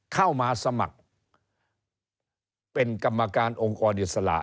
เข้ามาสมัครเป็นกรรมการองค์กรอิสระ